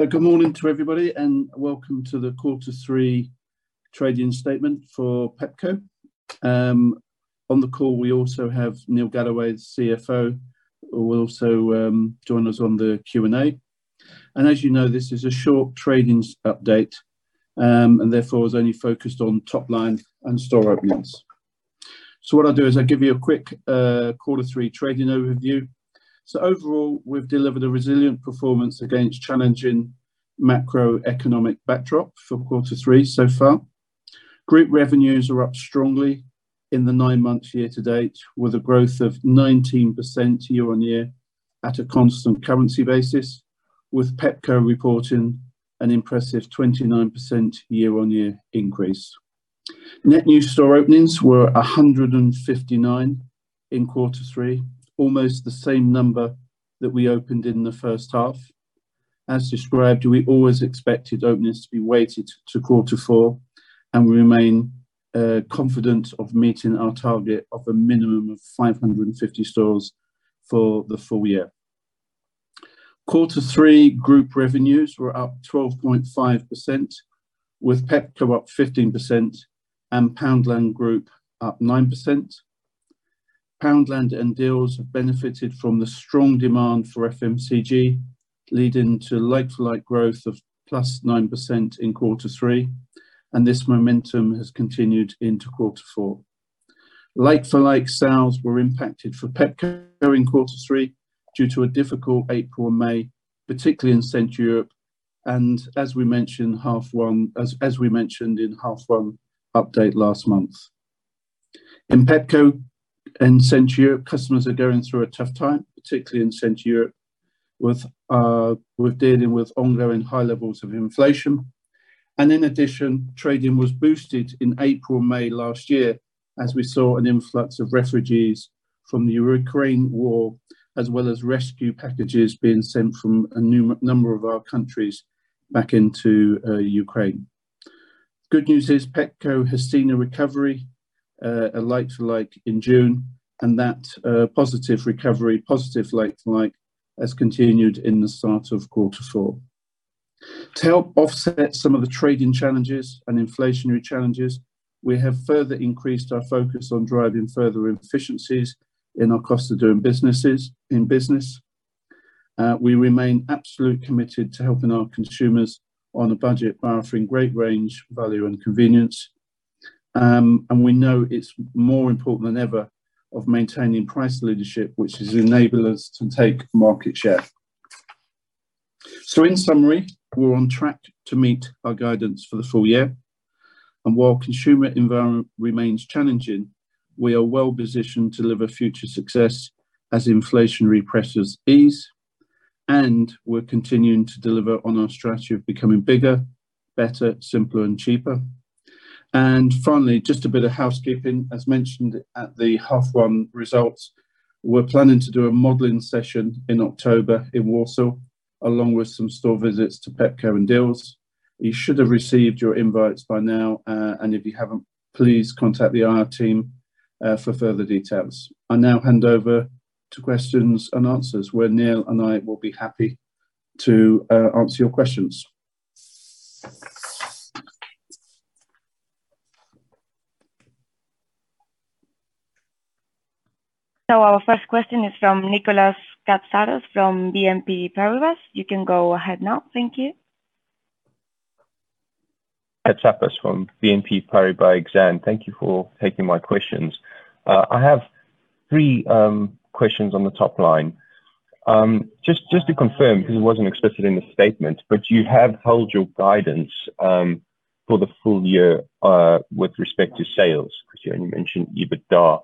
Good morning to everybody and welcome to the quarter 3 trading statement for Pepco. On the call, we also have Neil Galloway, the CFO, who will also join us on the Q&A. As you know, this is a short trading update, and therefore is only focused on top line and store openings. What I'll do is I'll give you a quick quarter 3 trading overview. Overall, we've delivered a resilient performance against challenging macroeconomic backdrop for quarter 3 so far. Group revenues are up strongly in the 9 months year to date, with a growth of 19% year-on-year at a constant currency basis, with Pepco reporting an impressive 29% year-on-year increase. Net new store openings were 159 in quarter 3, almost the same number that we opened in the first half. As described, we always expected openings to be weighted to quarter 4 and we remain confident of meeting our target of a minimum of 550 stores for the full year. Quarter 3 group revenues were up 12.5%, with Pepco up 15% and Poundland Group up 9%. Poundland and Dealz have benefited from the strong demand for FMCG, leading to like-for-like growth of +9% in quarter 3, and this momentum has continued into quarter 4. Like-for-like sales were impacted for Pepco in quarter 3 due to a difficult April and May, particularly in Central Europe, as we mentioned in half one update last month. In Pepco and Central Europe, customers are going through a tough time, particularly in Central Europe with dealing with ongoing high levels of inflation. In addition, trading was boosted in April and May last year as we saw an influx of refugees from the Ukraine war, as well as rescue packages being sent from a number of our countries back into Ukraine. Good news is Pepco has seen a recovery, a like-for-like, in June and that positive recovery, positive like-for-like, has continued in the start of quarter 4. To help offset some of the trading challenges and inflationary challenges, we have further increased our focus on driving further efficiencies in our cost of doing business. We remain absolutely committed to helping our consumers on a budget by offering great range, value, and convenience. We know it's more important than ever of maintaining price leadership, which has enabled us to take market share. In summary, we're on track to meet our guidance for the full year and while consumer environment remains challenging, we are well positioned to deliver future success as inflationary pressures ease and we're continuing to deliver on our strategy of becoming bigger, better, simpler and cheaper. Finally, just a bit of housekeeping. As mentioned at the half one results, we're planning to do a modeling session in October in Warsaw, along with some store visits to Pepco and Dealz. You should have received your invites by now, and if you haven't, please contact the IR team for further details. I now hand over to questions and answers where Neil and I will be happy to answer your questions. Our first question is from Nicolas Couvreur from BNP Paribas. You can go ahead now. Thank you. Capçaras from BNP Paribas Exane. Thank you for taking my questions. I have three questions on the top line. Just to confirm, because it wasn't explicit in the statement, you have held your guidance for the full year with respect to sales, because you only mentioned EBITDA.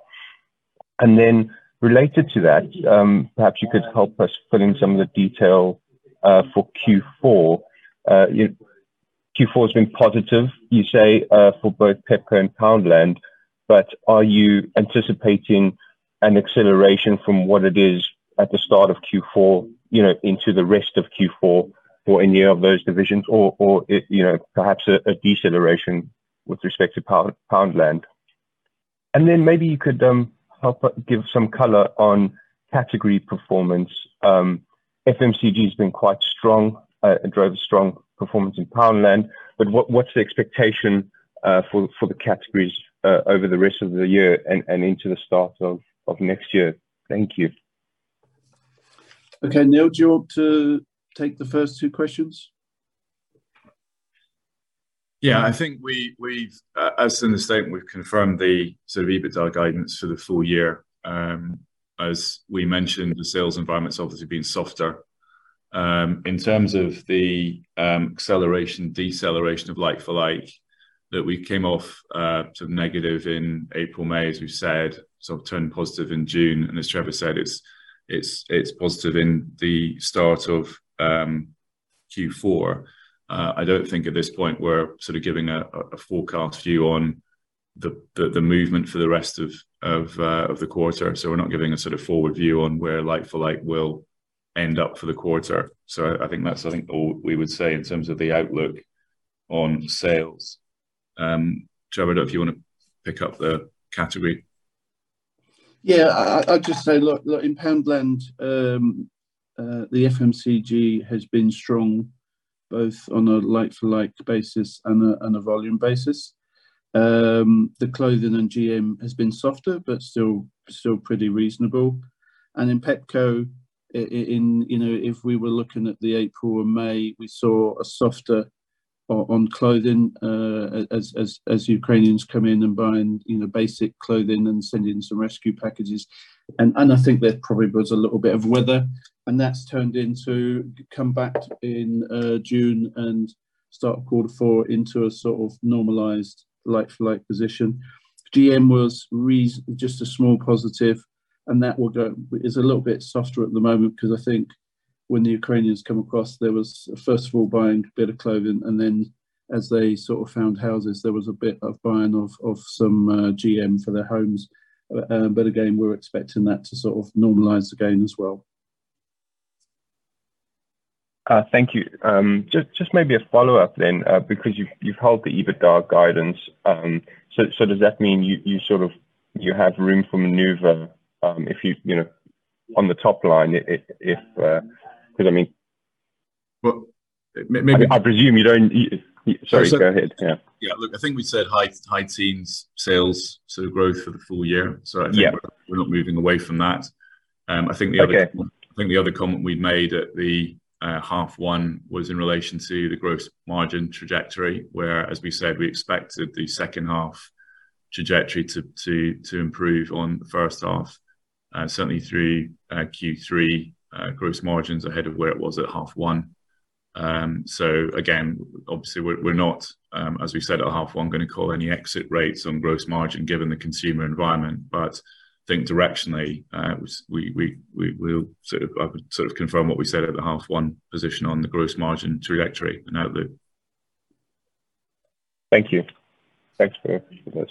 Related to that, perhaps you could help us fill in some of the detail for Q4. Q4 has been positive, you say, for both Pepco and Poundland, are you anticipating an acceleration from what it is at the start of Q4 into the rest of Q4 for any of those divisions or perhaps a deceleration with respect to Poundland? Maybe you could help give some color on category performance. FMCG has been quite strong. It drove a strong performance in Poundland, what's the expectation for the categories over the rest of the year and into the start of next year? Thank you. Okay. Neil, do you want to take the first two questions? I think as in the statement, we've confirmed the sort of EBITDA guidance for the full year. As we mentioned, the sales environment's obviously been softer. In terms of the acceleration, deceleration of like-for-like, that we came off sort of negative in April, May, as we've said, sort of turned positive in June. As Trevor said, it's positive in the start of Q4. I don't think at this point we're sort of giving a forecast view on the movement for the rest of the quarter. We're not giving a sort of forward view on where like-for-like will end up for the quarter. I think that's all we would say in terms of the outlook on sales. Trevor, I don't know if you want to pick up the category I'd just say, look, in Poundland, the FMCG has been strong, both on a like-for-like basis and a volume basis. The clothing and GM has been softer, but still pretty reasonable. In Pepco, if we were looking at the April or May, we saw a softer on clothing as Ukrainians come in and buying basic clothing and sending some rescue packages. I think there probably was a little bit of weather, and that's turned into come back in June and start quarter four into a sort of normalized, like-for-like position. GM was just a small positive, and that is a little bit softer at the moment because I think when the Ukrainians come across, there was, first of all, buying a bit of clothing, and then as they sort of found houses, there was a bit of buying of some GM for their homes. Again, we're expecting that to sort of normalize again as well. Thank you. Just maybe a follow-up, because you've held the EBITDA guidance. Does that mean you have room for maneuver on the top line? Because Well, maybe. I presume you don't Sorry, go ahead. Yeah Yeah. Look, I think we said high teens sales growth for the full year. Yeah I think we're not moving away from that. Okay. I think the other comment we made at the half one was in relation to the gross margin trajectory, where, as we said, we expected the second half trajectory to improve on the first half, certainly through Q3 gross margins ahead of where it was at half one. Again, obviously we're not, as we said at half one, going to call any exit rates on gross margin given the consumer environment. I think directionally, I would confirm what we said at the half one position on the gross margin trajectory note, Lukasz. Thank you. Thanks for this.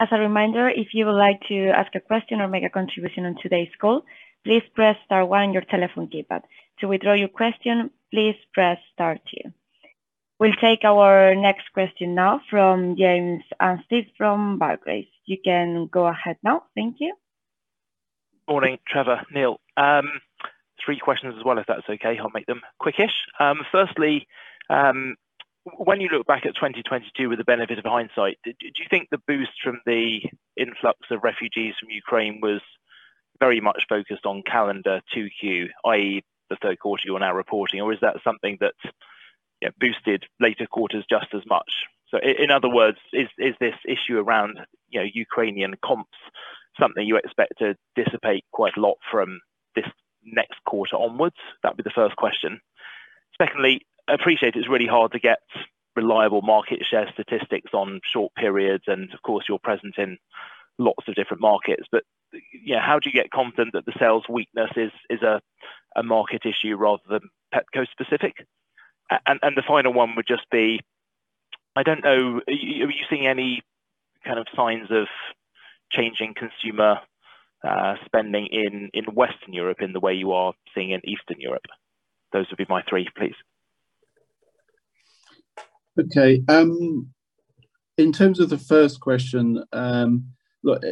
As a reminder, if you would like to ask a question or make a contribution on today's call, please press star one on your telephone keypad. To withdraw your question, please press star two. We'll take our next question now from James Anstead from Barclays. You can go ahead now. Thank you. Morning, Trevor, Neil. Three questions as well, if that's okay. I'll make them quickish. Firstly, when you look back at 2022 with the benefit of hindsight, do you think the boost from the influx of refugees from Ukraine was very much focused on calendar 2Q, i.e. the third quarter you're now reporting? Or is that something that boosted later quarters just as much? In other words, is this issue around Ukrainian comps something you expect to dissipate quite a lot from this next quarter onwards? That'd be the first question. Secondly, I appreciate it's really hard to get reliable market share statistics on short periods, and of course you're present in lots of different markets. How do you get confident that the sales weakness is a market issue rather than Pepco specific? The final one would just be, I don't know, are you seeing any signs of changing consumer spending in Western Europe in the way you are seeing in Eastern Europe? Those would be my three, please. Okay. In terms of the first question, look,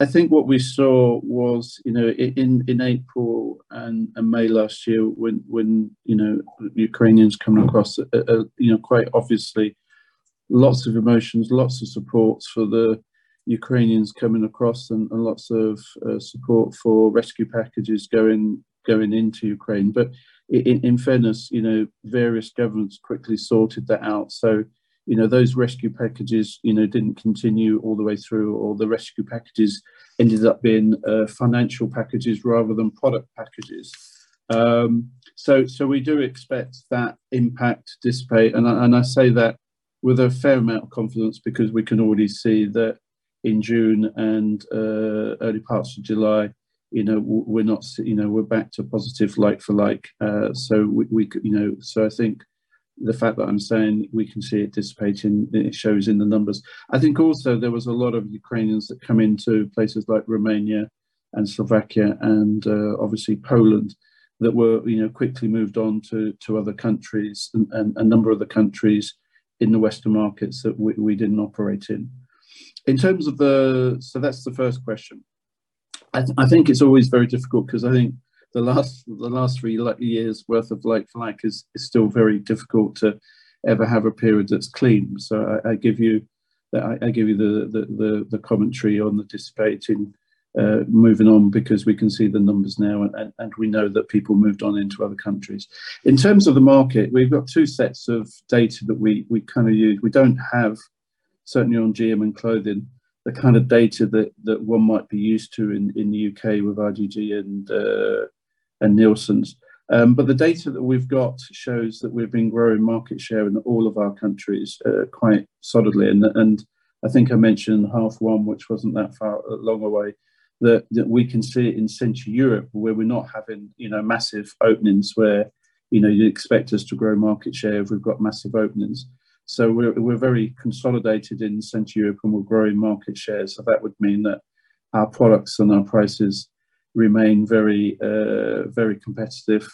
I think what we saw was in April and May last year when Ukrainians coming across, quite obviously, lots of emotions, lots of supports for the Ukrainians coming across and lots of support for rescue packages going into Ukraine. In fairness, various governments quickly sorted that out so those rescue packages didn't continue all the way through, or the rescue packages ended up being financial packages rather than product packages. We do expect that impact to dissipate, and I say that with a fair amount of confidence because we can already see that in June and early parts of July, we're back to positive like-for-like. I think the fact that I'm saying we can see it dissipating, it shows in the numbers. I think also there was a lot of Ukrainians that come into places like Romania and Slovakia and obviously Poland that were quickly moved on to other countries, and a number of the countries in the Western markets that we didn't operate in. That's the first question. I think it's always very difficult because I think the last three years worth of like-for-like is still very difficult to ever have a period that's clean. I give you the commentary on the dissipating moving on because we can see the numbers now and we know that people moved on into other countries. In terms of the market, we've got two sets of data that we use. We don't have, certainly on GM and clothing, the kind of data that one might be used to in the U.K. with GfK and Nielsen. The data that we've got shows that we've been growing market share in all of our countries quite solidly. I think I mentioned half one, which wasn't that long away, that we can see it in Central Europe where we're not having massive openings where you'd expect us to grow market share if we've got massive openings. We're very consolidated in Central Europe and we're growing market share. That would mean that our products and our prices remain very competitive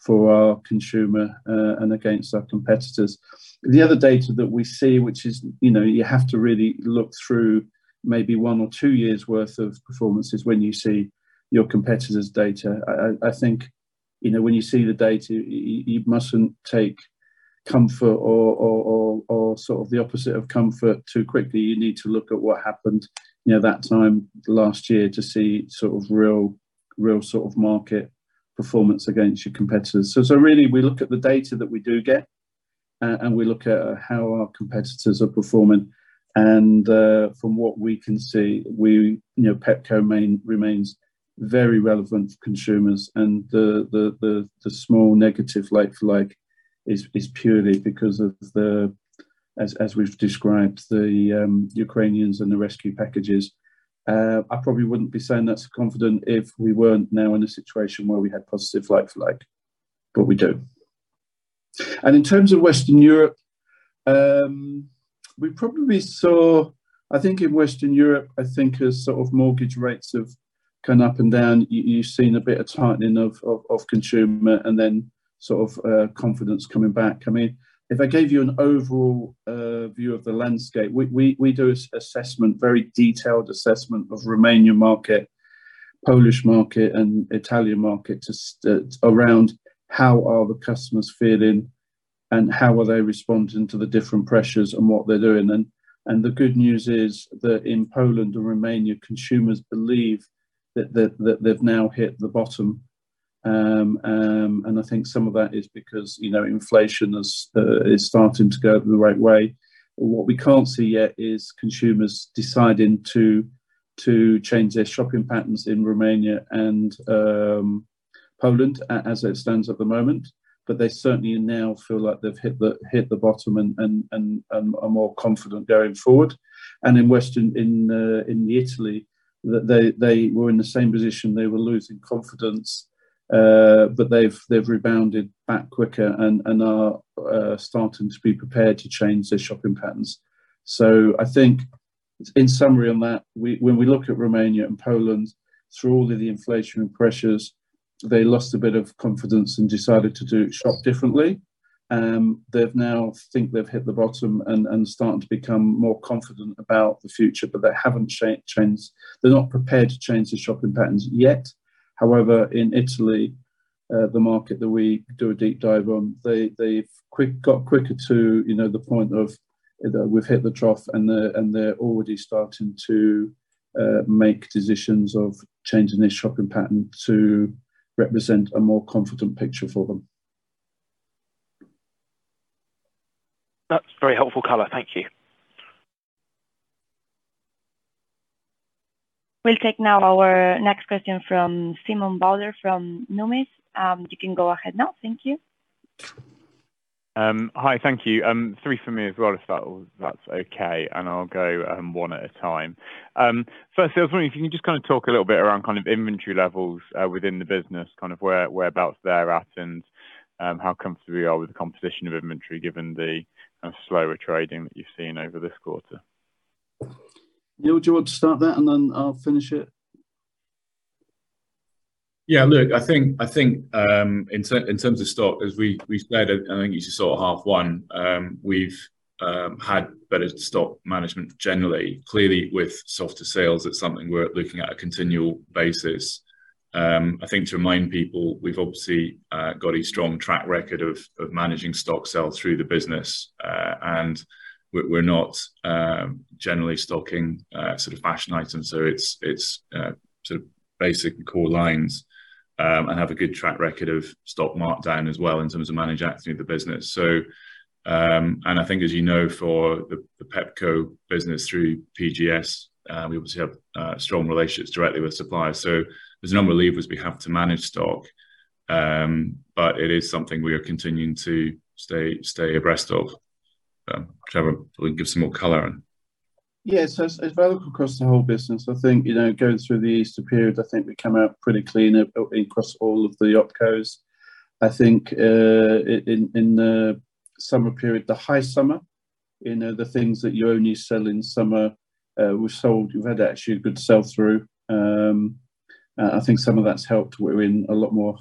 for our consumer and against our competitors. The other data that we see, which is you have to really look through maybe one or two years worth of performances when you see your competitors' data. I think when you see the data, you mustn't take comfort or sort of the opposite of comfort too quickly. You need to look at what happened that time last year to see real market performance against your competitors. We look at the data that we do get, and we look at how our competitors are performing. From what we can see, Pepco remains very relevant for consumers and the small negative like-for-like is purely because of, as we've described, the Ukrainians and the rescue packages. I probably wouldn't be sounding that confident if we weren't now in a situation where we had positive like-for-like, but we do. In terms of Western Europe, we probably saw in Western Europe, as mortgage rates have gone up and down, you've seen a bit of tightening of consumer and then confidence coming back. If I gave you an overall view of the landscape, we do a very detailed assessment of Romanian market, Polish market, and Italian market around how are the customers feeling and how are they responding to the different pressures and what they're doing. The good news is that in Poland and Romania, consumers believe that they've now hit the bottom. Some of that is because inflation is starting to go the right way. What we can't see yet is consumers deciding to change their shopping patterns in Romania and Poland as it stands at the moment. They certainly now feel like they've hit the bottom and are more confident going forward. In Italy, they were in the same position. They were losing confidence, they've rebounded back quicker and are starting to be prepared to change their shopping patterns. When we look at Romania and Poland, through all of the inflation pressures, they lost a bit of confidence and decided to shop differently. They now think they've hit the bottom and starting to become more confident about the future, they're not prepared to change their shopping patterns yet. However, in Italy, the market that we do a deep dive on, they've got quicker to the point of we've hit the trough, and they're already starting to make decisions of changing their shopping pattern to represent a more confident picture for them. That's very helpful color. Thank you. We'll take now our next question from Simon Bowler from Numis. You can go ahead now. Thank you. Hi, thank you. Three from me as well, if that's okay. I'll go one at a time. First, I was wondering if you can just talk a little bit around inventory levels within the business, whereabouts they're at and how comfortable you are with the composition of inventory given the slower trading that you've seen over this quarter. Neil, do you want to start that? Then I'll finish it? Yeah, look, I think in terms of stock, as we said, I think you saw half one, we've had better stock management generally. Clearly with softer sales, it's something we're looking at a continual basis. I think to remind people, we've obviously got a strong track record of managing stock sales through the business. We're not generally stocking fashion items, so it's basic core lines, and have a good track record of stock markdown as well in terms of manage activity of the business. I think as you know, for the Pepco business through PGS, we obviously have strong relationships directly with suppliers. There's a number of levers we have to manage stock, but it is something we are continuing to stay abreast of. Trevor, do you want to give some more color? Yeah. As I look across the whole business, I think going through the Easter period, I think we come out pretty clean across all of the OpCos. I think in the summer period, the high summer, the things that you only sell in summer, we've had actually a good sell through. I think some of that's helped. We're in a lot more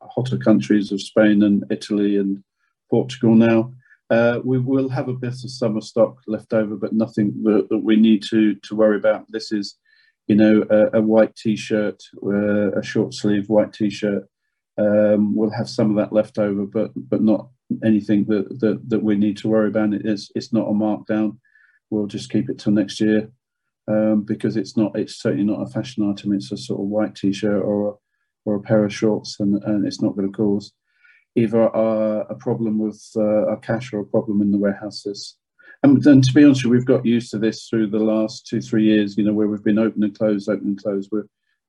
hotter countries of Spain and Italy and Portugal now. We will have a bit of summer stock left over, but nothing that we need to worry about. This is a white T-shirt, a short sleeve white T-shirt. We'll have some of that left over, but not anything that we need to worry about. It's not a markdown. We'll just keep it till next year, because it's certainly not a fashion item. It's a white T-shirt or a pair of shorts, it's not going to cause either a problem with our cash or a problem in the warehouses. To be honest with you, we've got used to this through the last two, three years, where we've been open and close, open and close.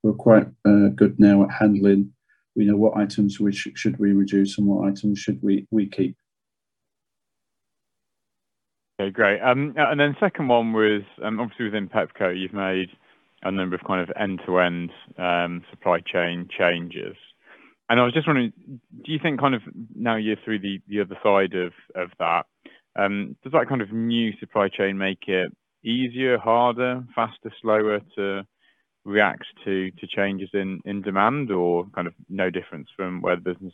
We're quite good now at handling what items should we reduce and what items should we keep. Okay, great. Second one was, obviously within Pepco, you've made a number of end-to-end supply chain changes. I was just wondering, do you think now you're through the other side of that? Does that kind of new supply chain make it easier, harder, faster, slower to react to changes in demand? Kind of no difference from where the business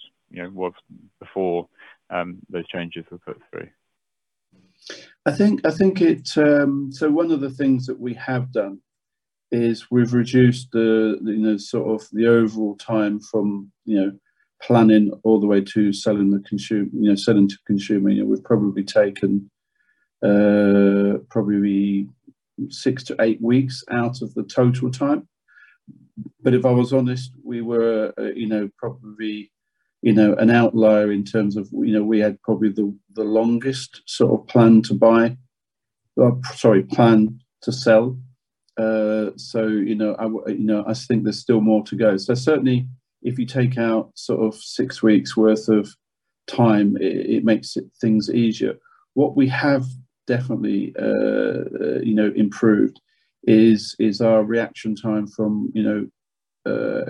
was before those changes were put through? One of the things that we have done is we've reduced the sort of the overall time from planning all the way to selling to consuming. We've probably taken probably six to eight weeks out of the total time. If I was honest, we were probably an outlier in terms of we had probably the longest sort of plan to sell. I think there's still more to go. Certainly, if you take out sort of six weeks worth of time, it makes things easier. What we have definitely improved is our reaction time from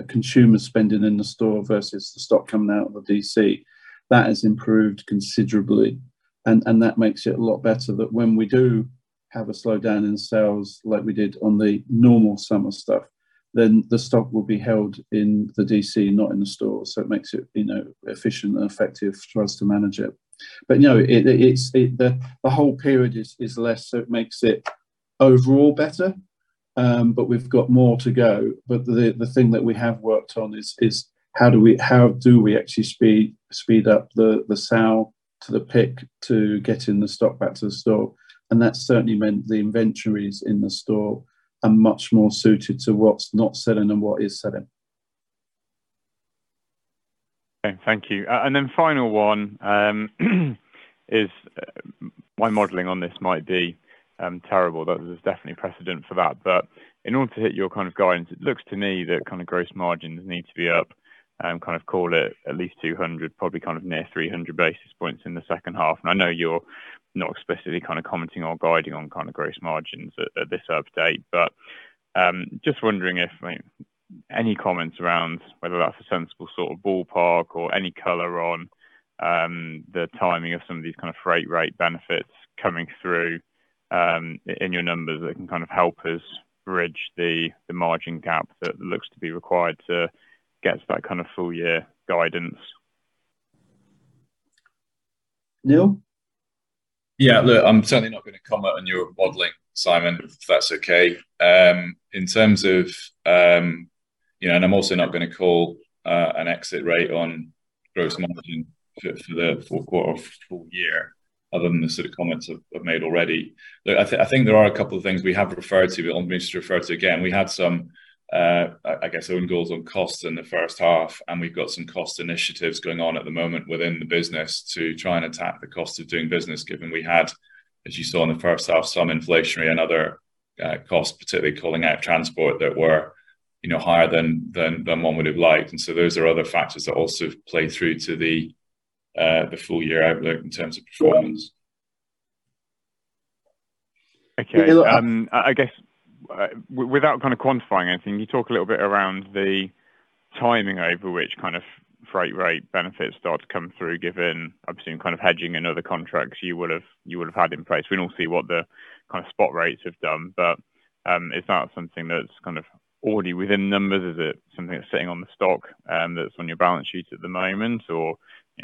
consumer spending in the store versus the stock coming out of the DC. That has improved considerably, that makes it a lot better that when we do have a slowdown in sales like we did on the normal summer stuff, the stock will be held in the DC, not in the store. It makes it efficient and effective for us to manage it. No, the whole period is less, it makes it overall better. We've got more to go. The thing that we have worked on is how do we actually speed up the sale to the pick to getting the stock back to the store. That's certainly meant the inventories in the store are much more suited to what's not selling and what is selling. Okay, thank you. Then final one, my modeling on this might be terrible. There's definitely precedent for that. In order to hit your kind of guidance, it looks to me that kind of gross margins need to be up, kind of call it at least 200, probably kind of near 300 basis points in the second half. I know you're not explicitly kind of commenting or guiding on kind of gross margins at this update. Just wondering if, I mean, any comments around whether that's a sensible sort of ballpark or any color on the timing of some of these kind of freight rate benefits coming through in your numbers that can kind of help us bridge the margin gap that looks to be required to get to that kind of full year guidance. Neil? Yeah, look, I'm certainly not going to comment on your modeling, Simon, if that's okay. I'm also not going to call an exit rate on gross margin for the fourth quarter or full year other than the sort of comments I've made already. Look, I think there are a couple of things we have referred to, but I want me to refer to again. We had some, I guess, own goals on costs in the first half, we've got some cost initiatives going on at the moment within the business to try and attack the cost of doing business, given we had, as you saw in the first half, some inflationary and other costs, particularly calling out transport that were higher than one would've liked. Those are other factors that also play through to the full year outlook in terms of performance. Okay. Neil- I guess without kind of quantifying anything, can you talk a little bit around the timing over which kind of freight rate benefits start to come through, given, obviously, kind of hedging and other contracts you would've had in place. We can all see what the kind of spot rates have done. Is that something that's kind of already within numbers? Is it something that's sitting on the stock that's on your balance sheet at the moment? Or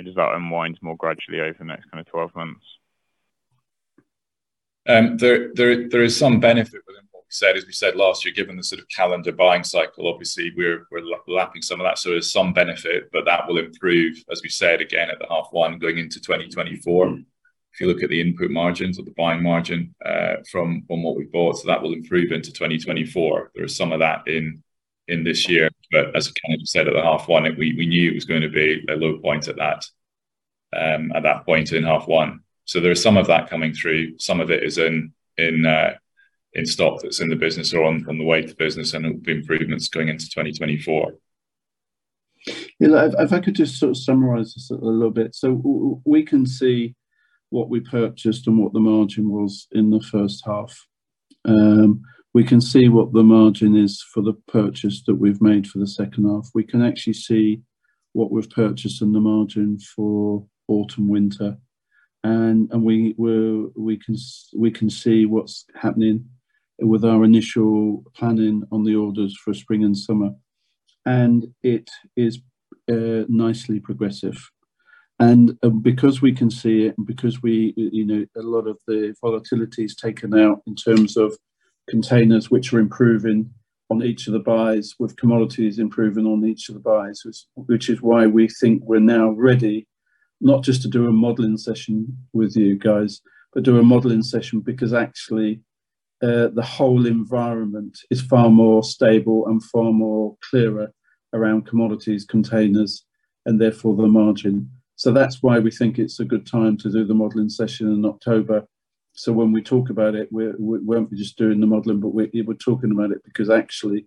does that unwind more gradually over the next kind of 12 months? There is some benefit within what we said, as we said last year, given the sort of calendar buying cycle, obviously, we're lapping some of that, there's some benefit. That will improve, as we said, again at the half one, going into 2024. If you look at the input margins or the buying margin from what we bought, that will improve into 2024. There is some of that in this year. As I kind of said at the half one, we knew it was going to be a low point at that point in half one. There is some of that coming through. Some of it is in stock that's in the business or on the way to business, and it will be improvements going into 2024. If I could just sort of summarize this a little bit. We can see what we purchased and what the margin was in the first half. We can see what the margin is for the purchase that we've made for the second half. We can actually see what we've purchased and the margin for autumn, winter. We can see what's happening with our initial planning on the orders for spring and summer. It is nicely progressive. Because we can see it and because a lot of the volatility is taken out in terms of containers, which are improving on each of the buys with commodities improving on each of the buys, which is why we think we're now ready not just to do a modeling session with you guys, but do a modeling session because actually, the whole environment is far more stable and far more clearer around commodities, containers, and therefore the margin. That's why we think it's a good time to do the modeling session in October. When we talk about it, we're not just doing the modeling, but we're talking about it because actually,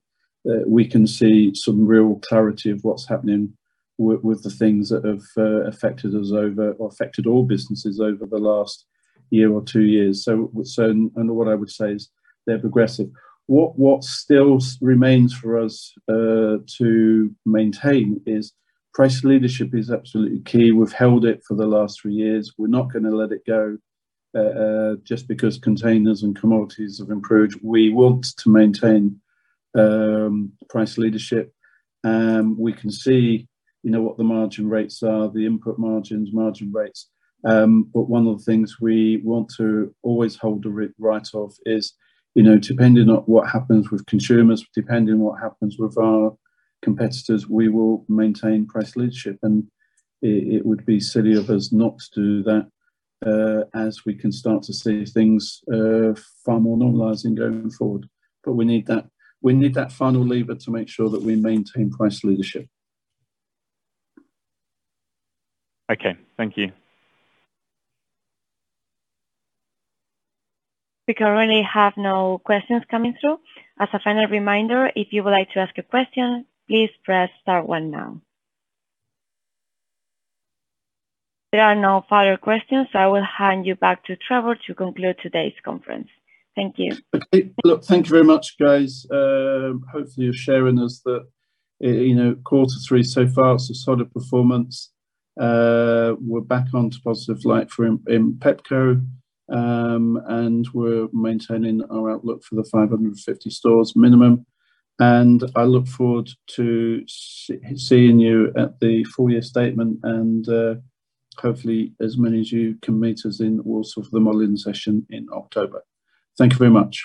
we can see some real clarity of what's happening with the things that have affected us over or affected all businesses over the last year or two years. What I would say is they're progressive. What still remains for us to maintain is price leadership is absolutely key. We've held it for the last three years. We're not going to let it go just because containers and commodities have improved. We want to maintain price leadership. We can see what the margin rates are, the input margins, margin rates. One of the things we want to always hold the right of is depending on what happens with consumers, depending what happens with our competitors, we will maintain price leadership. It would be silly of us not to do that as we can start to see things far more normalizing going forward. We need that final lever to make sure that we maintain price leadership. Okay. Thank you. We currently have no questions coming through. As a final reminder, if you would like to ask a question, please press star one now. There are no further questions. I will hand you back to Trevor to conclude today's conference. Thank you. Look, thank you very much, guys. Hopefully, your sharing is that quarter 3 so far is a solid performance. We're back onto positive like-for-like in Pepco, we're maintaining our outlook for the 550 stores minimum. I look forward to seeing you at the full year statement, and hopefully, as many as you can meet us in Warsaw for the modeling session in October. Thank you very much.